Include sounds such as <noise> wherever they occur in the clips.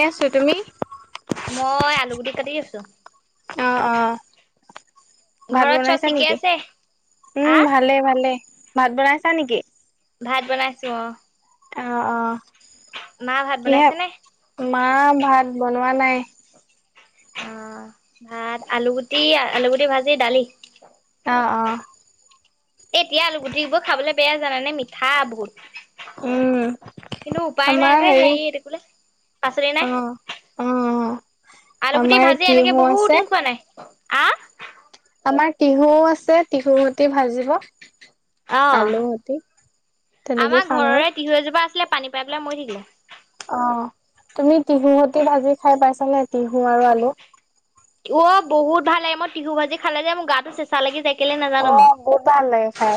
আছো তুমি মই আলুগুটি কাটি আছোঁ। অ অ ভাত ঘৰত চব বনাইছা ঠিকে নেকি? আছে? উম, আহ ভালে, ভালে। ভাত বনাইছা নেকি? ভাত বনাইছোঁ অ'। অ', অ'। মা ভাত কিহে? বনাইছে নে? মা ভাত বন হোৱা নাই। অ', ভাত আলুগুটি, আলুগুটি ভাজি, দালি। অ', অ'। এতিয়া আলুগুটিবোৰ খাবলৈ বেয়া জানেনে, মিঠা বহুত। উম কিন্তু উপায় নাই আমাৰ যে, হেৰি সেই এইটো বোলে পাচলি অ নাই। অ আলুগুটি আমাৰ ভাজি এনেকে টিহু বহুত আছে দিন খোৱা নাই। আ আমাৰ তিহুঁ আছে। তিহুঁ সৈতে ভাজিব। অ', আলু সতি তেনেকে আমাৰ খাম আৰু ঘৰৰে তিহুঁ এজোপা আছিলে পানী পাই পেলাই মৰি থাকিল। অ', তুমি তিহুঁ সৈতে ভাজি খাই পাইছানে? তিহুঁ আৰু আলু অ', বহুত ভাল লাগে। মই তিহুঁ ভাজি খালে যে, মোৰ গাটো চেঁচা লাগি যায়। কেলে অ নাজানো মই। বহুত ভাল লাগে খাই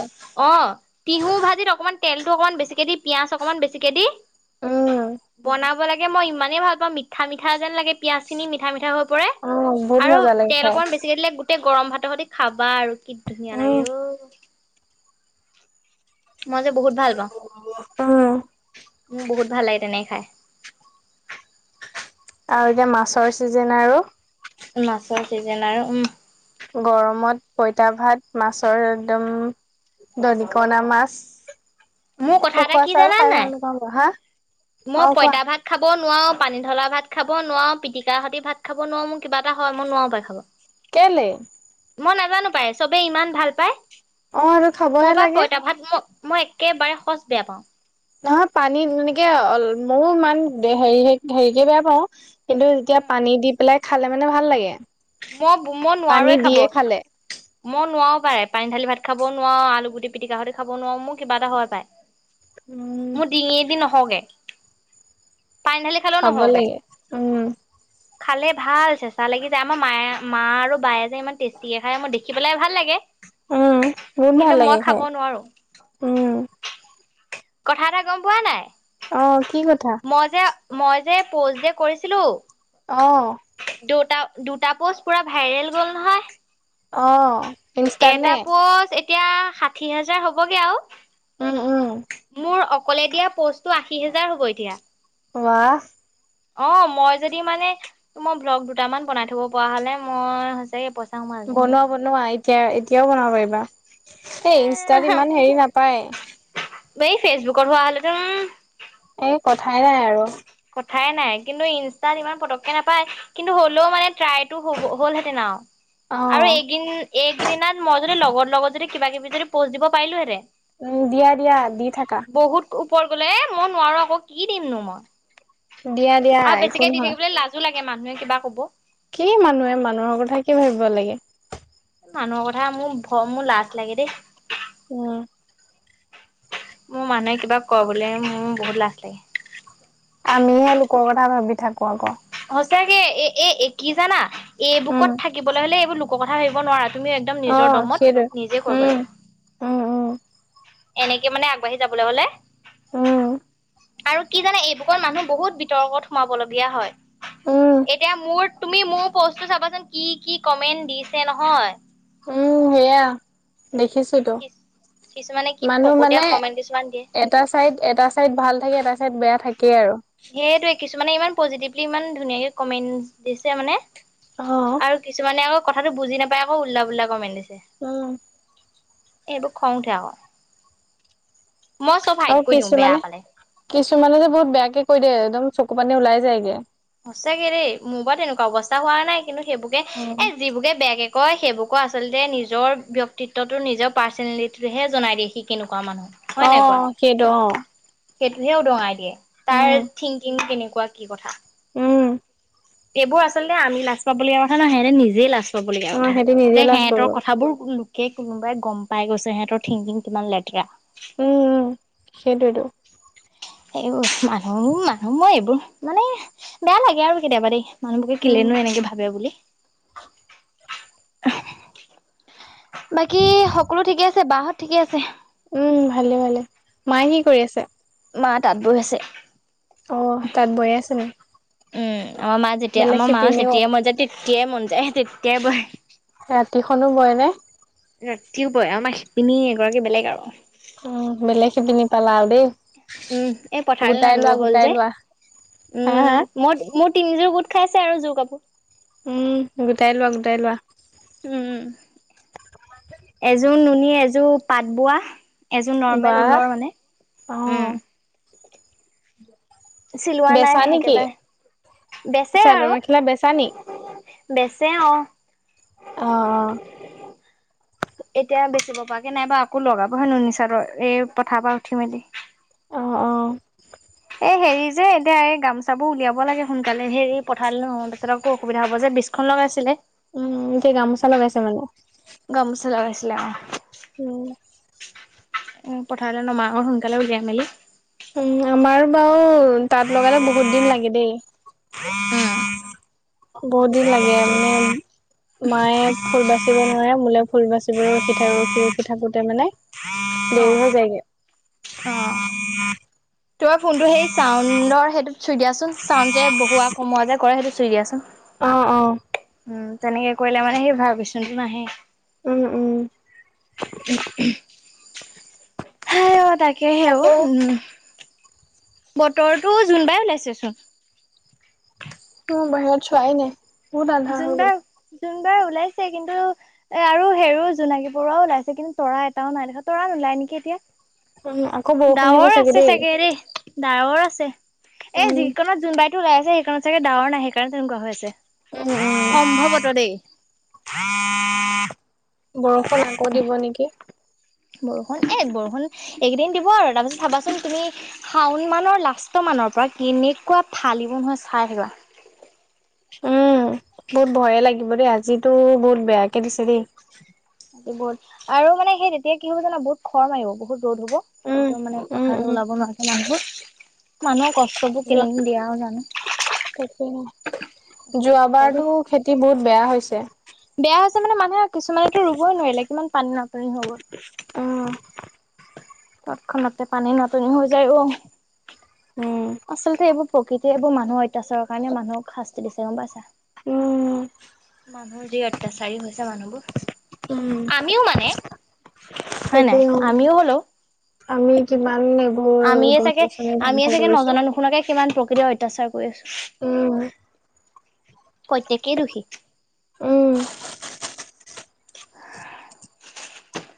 অ', টিহুঁ ভাজিত অকণমান তেলটো অকণমান বেছিকে দি, পিয়াঁজ অকণমান বেছিকে দি উম বনাব লাগে মই ইমানেই ভাল পাওঁ। মিঠা-মিঠা যেন লাগে, পিঁয়াজখিনি মিঠা-মিঠা হৈ পৰে অ বহুত আৰু মজা লাগে তেলটো খাই অকণমান বেছিকৈ দিলে, গোট তে গৰম ভাতৰ সৈতে খাব বা, আৰু কি ধুনীয়া উম লাগে অ'। মই যে বহুত ভাল পাওঁ উম মোৰ বহুত ভাল লাগে তেনেকে খাই। আৰু যে মাছৰ ছিজন আৰু। মাছৰ চিজন আৰু উম। গৰমত পইতা ভাত মাছৰ একদম দৰিকনা মাছ। মোৰ কথা এটা উখোৱা কি চাউল খাই জানান ভাল নাই নাপাওঁ বাৰু হা অ মই কোৱা পঁইতা ভাত খাব নোৱাৰো পানী ঢলা ভাত খাব নোৱাৰো পিটিকা সতি ভাত খাব নোৱাৰো মোৰ কিবা এটা হয় মই নোৱাৰো পাই খাব। কেলে? মই নাজানো পাই চবে ইমান ভাল পায়। অ এইটো মই খাবহে বা লাগে। পঁইতা ভাত মই মই একেবাৰে সচ বেয়া পাওঁ। নহয় পানী তেনেকে ময়ো ইমান হে হেৰিকে বেয়া পাওঁ কিন্তু উম যেতিয়া পানী দি পেলাই খালে মানে ভাল লাগে। মই মই পানী নোৱাৰোৱে খাব দিয়ে খালে মই নোৱাৰো পাই পানী ঢালি ভাত খাবও নোৱাৰোঁ আলু গুটি পিটিকা সতী খাবও নোৱাৰো মোৰ কিবা এটা হয় পায়। উম মোৰ ডিঙিদি নহগে। খাব নহওগে লাগে উম। খালে ভাল চেঁচা লাগি আমাৰ মায়ে মা আৰু বায়ে যে ইমান টেষ্টিকে খায়, মোৰ দেখি পেলাই ভাল লাগে। উম, বহুত ভাল কিন্তু মই লাগে খাব খাই। নোৱাৰো উম! কথা এটা গম পোৱা নাই? অ' কি কথা? মই যে মই যে প'ষ্ট যে কৰিছিলোঁ। অ দুটা দুটা পোষ্ট পুৰা ভাইৰেল গ'ল নহয়। অ'। ইনষ্টাত এটা নে পোষ্ট এতিয়া ষাঠি হাজাৰ হ'বগে আও। উম উম। অকলে দিয়া পষ্টটো আশী হেজাৰ হ'ব এতিয়া। ৱাহ! অ' মই যদি মানে মই ব্লগ দুটামান বনাই থব পৰা হলে, মই সচাকে পইচা সোমালে বনোৱা, বনোৱা। এ তিয়া-এতিয়াও বনাব পাৰিবা। এ এই, ইনষ্টাত ইমান হেৰি নাপায়। এই ফেচবুকৰ হোৱা হলেটো উম এই কথাই নাই আৰু। কথাই নাই, কিন্তু ইনষ্টাত ইমান পাতককে নাপায়। কিন্তু হ'লেও মানে ট্ৰাইটো হ'ব, হ'লহেঁতেন আৰু। অ আৰু এদিন, এইকেইদিনত মই যদি, লগত-লগত যদি কিবা-কিবি যদি প'ষ্ট দিব পাৰিলোহেঁতেন উম, দিয়া, দিয়া, দি থাকা। ওপৰ গ'লে, এ, মই নোৱাৰোঁ আকৌ। কি দিমনো মই? দিয়া, দিয়া, একো নহয়। তাকে মানুহে কিবা ক'ব। কি মানুহে, মানুহৰ কথা কি ভাবিব লাগে। মানুহৰ কথা মোৰ ভ মোৰ লাজ লাগে দেই। উম। মোৰ মানুহে কিবা ক'বলে মোৰ বহুত লাজ লাগে। আমিহে লোকৰ কথা ভাবি থাকো অকৌ লোকে কি এ এ কি জানা। এই উম বুকত থাকিবলৈ হ'লে এইবোৰ লুক কপাহেৰা এৰিব নোৱাৰা। তুমি একদম অ নিজৰ দমত সেইটোৱে নিজে কৰিব উম লাগিব। উম উম এনেকে মানে আগবাঢ়ি যাবলৈ হ'লে। উম। আৰু কি জানে এইবুকৰ মানুহ বহুত বিতৰ্কত সোমাব লগীয়া হয়। উম এতিয়া মোৰ তুমি মোৰ প'ষ্টটো চাবাচোন কি কি কমেন্ট দিছে নহয়। উম, হেয়া। দেখিছোতো, কিছুমানে কি মানুহ ফকতীয়া মানে কমেন্ট কিছুমান দিয়ে এটা চাইদ এটা চাইদ ভাল থাকে, এটা চাইদ বেয়া থাকে। সেইটোৱে কিছুমানে ইমান পজিটিভলি ইমান ধুনীয়াকে কমেন্ট দিছে মানে। অ আৰু কিছুমানেও কথাটো বুজি নাপাই ওল্টা পুল্টা কমেন্ট দিছ উম। এইবোৰ খং উঠে আকৌ। মই চব হাইড আৰু কৰি দিওঁ বেয়া কিছুমানে, পালে কিছুমানে যে বহুত বেয়াকে কৈ দে একদম চকু পানী ওলাই যায়গে। সঁচাকে দে মোৰ পৰা তেনেকুৱা অৱস্থা হোৱা নাই। কিন্তু সেইবোৰকে এ যিবোৰকে বেয়াকে কয় সেইবোৰকো আচলতে নিজৰ ব্যক্তিত্বটো নিজৰ পাৰ্চনেলিটিটোহে জনাই দিয়ে সিকিনো অ', সেইটো অ'। সেইটোহে উদঙাই দিয়ে। তাৰ উম থিংকিং কেনে কোৱা কি কথা উম এইবোৰ আচলতে আমি লাজ পাবলগীয়া কথা নহয় সেতে নিজেই লাজ পাবলগীয়া অ কথা সিহঁতি নিজে যে লাজ পাব সিহঁতৰ উম কথাবোৰ কোনোবাই গম পাই গৈছে সিহঁতৰ থিংকিং কিমান লেতেৰা উম উম সেইটোৱে টো এইবোৰ মানুহবো মানুহ মই এইবোৰ মানে বেয়া লাগে আৰু কেতিয়াবা দেই মানুহবোকে উম কেলেনো এনেকে ভাবে বুলি বাকী সকলো ঠিকে আছে বাহ ঠিকে আছে উম ভালে ভালে মায়ে কি কৰি আছে মা তাঁত বৈ আছে অ তাত বয়ে আছে নি উম, আমাৰ মা যেতিয়া বেলেগ আমাৰ মা শিপিনিও মন যায় যেতিয়াই মন যায় তেতিয়াই বহে। ৰাতিখনো বয় নে? উম ৰাতিপুৱাই আমাৰ শিপিনী এগৰাকী বেলেগ আৰু অঁ বেলেগ শিপিনি পলাও দেই উম এই পথাৰলৈ গোটাই লোৱা নামিব হ'ল গোটাই যে, লোৱা হা হা উম মই মোৰ তিনিযোৰ গোট-' খাইছে আৰু এই জোৰ কাপোৰ উম গোটাই লোৱা, গোটাই লোৱা উম, এযোৰ নুনী, এযোৰ পাত বোৱা এযোৰ নৰ্মেল বাহ ঊলৰ মানে। অ চিলোৱা নাই বেচা নেকি? একেবাৰে বেচে চাদৰ আৰু মেখেলা বেচা নে? বেচে অঁ। অঁ অঁ। এতিয়া বেচিব পৰা কে নাইবা আকৌ লগাব হয়ে নো চাৰৰ এই পথাৰ পৰা উঠি মেলি। অঁ অঁ এই হেৰি যে এতিয়া এই গামচাবোৰ উলিয়াব লাগে সোনকালে হেৰি পঠালে নহব তেখেততকো অসুবিধা হ'ব যে বিজখন লগাইছিলে। উম এতিয়া গামোচা লগাইছে মানে নিলা অঁ উম উ পথাৰলৈ নমা আৰু সোনকালে উলিয়াই মেলি উ আমাৰ বাও তাত লগালে বহুত দিন লাগে দেই উম বহুত দিন লাগে মানে মায়ে ফুল বাচিব নোৱাৰে মোলে ফুল বাচিবলৈ ৰখি থাক ৰখি ৰখি থাকোতে মানে অ দেহ জায়গে। তোমাৰ ফোনটো সেই চাউণ্ডৰ সেইটো থৈ দিয়াচোন চাউণ্ড যে বহুৱা কমোৱা যে কৰে সেইটো থৈ দিয়াচোন। অ' অ' উম, তেনেকে কৰিলে মানে সেই ভাইবেৰেছন টো নাহে। উম, উম, উম, উম। <unintelligible> হাই অ' তাকেহে ও তাকে উম। বতৰটো জোনবাই ওলাইছেচোন। মই বাহিৰত চোৱাই নাই। বহুত আন্ধাৰ হৈ গ'ল। জোনবাই জোনবাই ওলাইছে, কিন্তু এ আৰু হেইয়ো জোনাকী পৰুৱাও ওলাইছে, কিন্তু তৰা এটাও নাই দেখা তৰা নোলাই নেকি এতিয়া। উম, আকৌ বৰষুণ দিব চাগে দেই। ডাৱৰৰ আছে। এ উম, যিকণত জোনবাই ওলাই আছে সেইকাৰণে চাগে ডাৱৰ নাই সেইকাৰণে তেনেকুৱা হৈ আছে। উম। উম, সম্ভৱতৰ দেই বৰষুণ আকৌ দিব নেকি? বৰষুণ এ বৰষুণ এইকেইদিন দিব আৰু তাৰপিছত চাবাচোন তুমি শাওঁন মানৰ লাষ্ট মানৰ পৰা কেনেকুৱা ফালিব নহয় চাই থাকা। উম, বহুত ভয়েই লাগিব দেই আজিতো বহুত বেয়াকে দিছে দেই। এই বোৰত আৰু মানে সেই তেতিয়া কি হ'ব জানা বহুত খৰ মাৰিব বহুত। ৰ'দ হ'ব উম, একদম মানে উম, পথাৰলৈ উম, ওলাব নোৱাৰাকে মানুহ মানুহে কষ্ট প্ৰভু যোৱা কেলেইনো দিয়া আৰু জানো। হয় <unintelligible> তাকে ন। হয় দেই যোৱাবাৰতো খেতি বহুত বেয়া হৈছে। তেনেকে মানুহক কিছুমানেতো ৰুবই নোৱাৰিলে। কিমান পানী নাতনি হৈ গ'ল। অঁ তৎক্ষণাতে পানী নাটনি হৈ যায় অ'। হু' আচলতে এইবোৰ প্ৰকৃতিয়ে এইবোৰ মানুহৰ অত্যাচাৰৰ কাৰণে মানুহক শাস্তি দিছে গ'ম পাইছা। মানুহ যি অত্যাচাৰী হৈছে মানুহবোৰ উম, আমিওঁ মানে হয় নাই তাকেই অ' আমিও হলো আমি কিমান এইবোৰ আমিয়ে গছ চাগে গছনি ধ্বংস আমিয়ে চাগে কৰিছো। নজনা নুশুনাকে কিমান অত্যাচাৰ কৰি আছো। উম, প্ৰত্যেকেই দোষী। উম, <inaudible>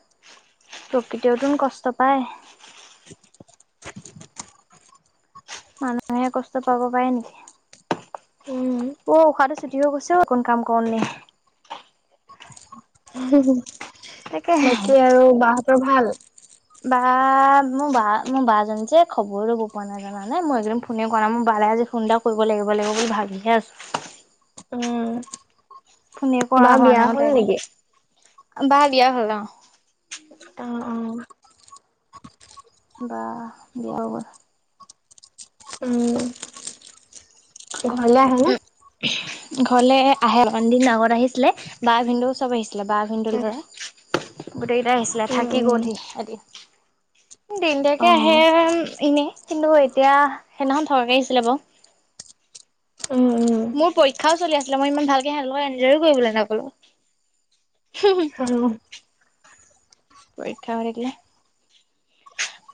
প্ৰকৃৃতিওতোন কষ্ট পায়। মানুহে কষ্ট পাব পাৰে নেকি, উম, অ' উশাহতো ছুটি হৈ গৈছে অকণ কাম কৰো নে হুম হুম। তাকে বাকী আৰু বা তোৰ ভাল? বা মোৰ বা মোৰ বাজনীজনী যে খবৰেই লব পৰা নাই জানা নে মই একেইদিন ফোনে কৰা নাই মোৰ বালে আজি ফোন এটা কৰিব লাগিব লাগিব বুলি ভাবিহে আছো। উম, ফোনে কৰা বা হোৱা বিয়া নাই অ' হ'ল তাইলৈ। নেকি? বা বিয়া হল অ। অ', অ', বা বিয়া হৈ গ'ল। উম, ঘৰলে আহে নে? ঘৰলে আহে অকমান দিন আগত আহিছিলে বা ভিনদেউ চব আহিছিলে বা ভিনদেউ ল'ৰা গোটেই কেইটাই আহিছিলে, উম, থাকি উম, গ'লহি এদিন দিনদেকে আহে অ', এনেই কিন্তু এতিয়া সেইদিনাখন থকাকে আহিছিলে বাৰু। মোৰ পৰীক্ষাও চলি আছিলে মই ইমান ভালকে সিঁহতৰ লগত ইঞ্জয় কৰিবলৈ নাপালোঁ। আৰু পৰীক্ষা হৈ থাকিলে,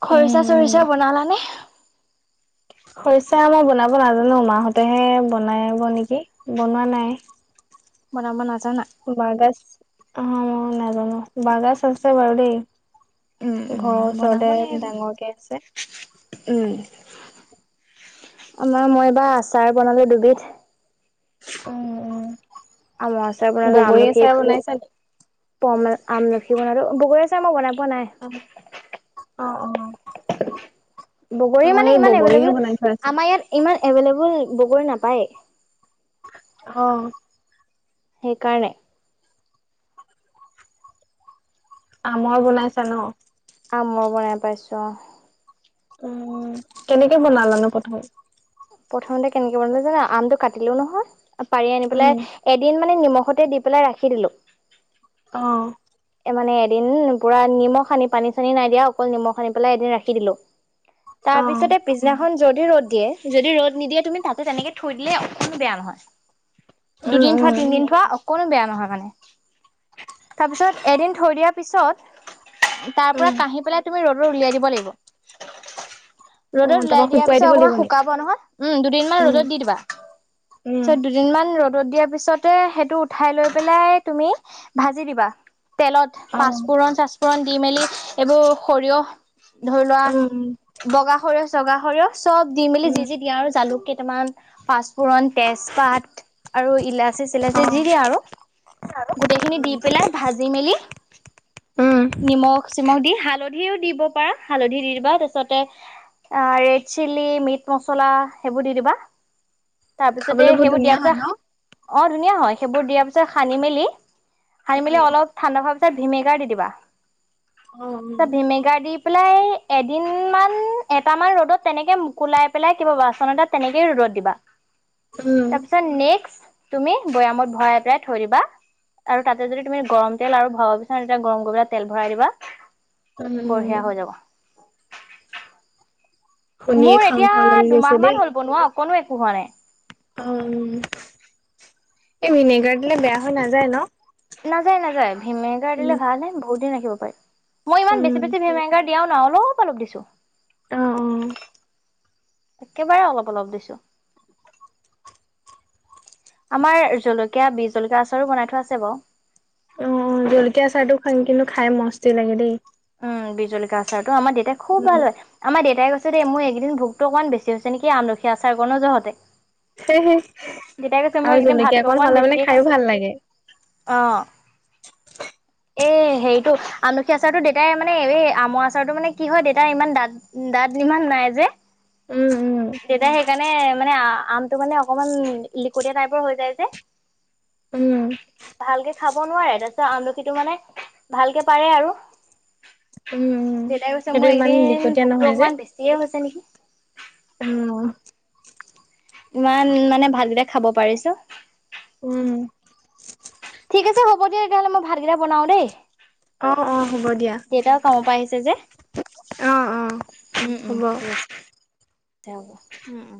খৰিচা চৰিচা বনালানে? খৰিচা মই বনাব নাজানো, মাহ'তেহে বনাব নেকি, বনোৱা নাই। বনাব না বাঁহগাজ অ', মই নাই নাজানো, বাহঁগাজ হৈছে বাৰু দেই। উম উম ঘৰৰ বনাব ওচৰতে লাগিব। ডাঙৰকে আছে। উম, আমাৰ মই এইবাৰ আচাৰ বনালো দুবিধ। অ', অ', আমৰ আচাৰ বনালো আমলখি এপো বনাইছা নি পোৱামান আমলখি বনালো, বগৰী আচাৰ মই বনাই পোৱা নাই অ', অ', অ', বগৰী মানে ইমান বগৰীহে এভেইলেবল বনাই থৈ আছো আমাৰ ইয়াত ইমান এভেইলেবল বগৰী নাপায়। অ'। সেইকাৰণে। আমৰ বনাইছা ন। আমৰ বনাই পাইছো অ, উম, কেনেকে বনালানো প্ৰথমে। প্ৰথমতে কেনেকে বনালো জানো, আমটো কাটিলো নহয় পাৰি আনি পেলাই এদিন মানে নিমখতে দি পেলাই ৰাখি দিলো। অহ। এ মানে এদিন পুৰা নিমখ সানি পানী চানি নাই দিয়া, অকল নিমখ সানি পেলাই এদিন ৰাখি দিলো। তাৰ অ পিছতে পিছদিনাখন যদি ৰ'দ দিয়ে যদি ৰ'দ নিদিয়ে তুমি তাতে তেনেকে থৈ দিলে অকনো বেয়া নহয়। উম দুদিন থোৱা তিনিদিন থোৱা অ কনো বেয়া নহয় মানে তাৰপিছত এদিন থৈ দিয়াৰ পিছত তাৰ পৰা উম কাহি পেলাই তুমি ৰ দলে উলিয়াই দিব লাগিব। অ ৰ'দত উলাই তাৰপৰা দিয়া শুকুৱাই পিছত দিব অকণমান লাগিব নি শুকাব নহয় উম দুদিনমান উম ৰ'দত দি দিবা ত উম দুদিনমান ৰ'দত দিয়া পিছত পিছতে সেইটো উঠাই লৈ পেলাই তুমি ভাজি দিবা। তেলত অ পাঁচপোৰণ-চাচ পোৰণ দি মেলি এইবোৰ সৰিয়হ ধৰি লোৱা, উম বগা সৰি আছে-বগা- হৰি হ। চব দি-মেলি উম যিজি দিয়া আৰু জালুক কে টমান- পাঁচফোৰণ, তেজপাত আৰু ইলাচি-চিলাচি অ যি দিয়ে আৰু, গোটেইখিনি দি পেলাই ভাজি দি মেলি উম নিমখ চিমখ দি হালধি হালধিও দিব পাৰা, হালধি দি-দিবা তাৰপিছতে, ৰেড চিলি, মিট মছলা সেইবোৰ দি দিবা। তাৰ পিছতে, খাবলৈ বহুত সেইবোৰ দিয়া ধুনীয়া হয় ন পছা- অ ধুনীয়া হয়, সেইবোৰ দিয়াৰ পিছত সানি-মেলি- হানি মেলি উম অলপ- হানি হোৱা পিছত ভিমেগাৰ দি দিবা। অ ভিনেগাৰ দি পে পেলাই এদিন মান, এট মান ৰ'দত তেনেকে মোকোলাই পেলাই কিব বাচন এটা তেনেকে ৰ'দত দিবা। উম তাৰপিছত নেক্স- তুমি বৈয়ামত ভৰাই পেলাই থৈ দিবা আৰু তাতে যদি তুমি গৰম- তেল আৰু ভৰাব বিচাৰে, তেতিয়া, গৰম কৰি পেলাই তেল ভৰাই দিবা। উম! বঢ়িয়া হৈ যাব। শুনিয়ে মোৰ খাওঁ এতিয়া, খাওঁ লাগি গৈছে দুমাহ-মান হ'ল, বনোওঁক। কোনো একো হোৱা নাই। অ'! এই ভিনেগাৰ দিলে, বেয়া হৈ নাযায় ন'? নাযায়-নাযায়। ভিনেগাৰ উম। দিলে ভালে বহু দিন ৰাখি থাকিব পাৰি। মই ইমান উম বেছি বেছি ভিনেগাৰ দিয়াও ন অলপ-অলপ দিছো। আহ' অ'। একেবাৰে অলপ-অলপ দিছো। আমাৰ জলকীয়া, বিজ-জলকীয়া আচাৰো বনাই থোৱা আছে বাৰু। অ' জলকীয়া আচাৰ টো কিন্তু খাই মস্তি লাগে দেই। উম বিজলকীয়া আচাৰটো- ত আমাৰ দেউতাই খুব উম। ভাল হয়। আমাৰ দেউতাই- পছ দে মোৰ একদিন ভোকটো অকমান বেছি হৈছে নেকি আমলখি আচাৰ গণো যহতে। হে হে। আৰু জলকীয়া ভাতটো অকন অকণমান হলে মানে বেছিকে খাইও খাইছো ভাল লাগে। অ এই হেৰিটো আমলখি আচাৰতটো দতাই মানে এই আমৰ আচাৰতটো মানে কি হয় দতাই ইমান দাঁত দাঁত ইমান নাই যে। উম উম। তেতিয়া সেইকাৰণে মানে আমটো মানে অকমান লিকটিয়া টাইপৰ হৈ যায় উম যে ভালকে খাব নোৱাৰে তাৰিছত আমলখিটো মানে ভালকে পাৰে আৰু। উম উম দেউতাই কৈছে সেইটো মোৰ ইমান এদিন লিকটীয়া ভোকতটো অকনমান বেছিয়ে হৈছে নেকি? উম। ইমান মানে ভাত কেইটা খাব পাৰিছো। উম। ঠিক আছে হ'ব দিয়া তেতিয়াহ'লে মই ভাতকেইটা বনাওঁ দে। অ অ হ'ব দিয়া। ই দেউতাও কাম পৰা আহিছে যে, অ অ উম উম হ'ব। ঠিক আছে। হ উম উম।